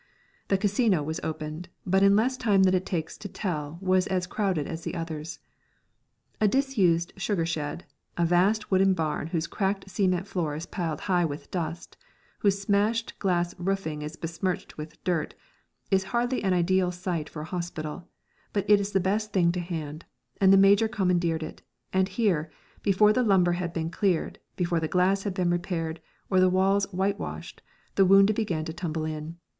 The Casino was opened, but in less time than it takes to tell was as crowded as the others. A disused sugar shed, a vast wooden barn whose cracked cement floor is piled high with dust, whose smashed glass roofing is besmirched with dirt, is hardly an ideal site for a hospital, but it is the best thing to hand, and the Major commandeered it, and here, before the lumber had been cleared, before the glass had been repaired or the walls whitewashed, the wounded began to tumble in.